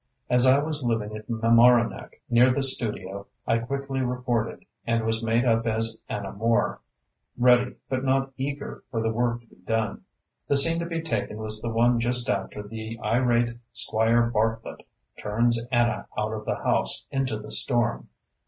As I was living at Mamaroneck, near the studio, I quickly reported, and was made up as Anna Moore, ready but not eager for the work to be done. The scene to be taken was the one just after the irate Squire Bartlett turns Anna out of the house into the storm.